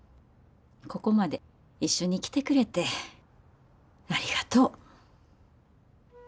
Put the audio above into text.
ここまで一緒に来てくれてありがとう。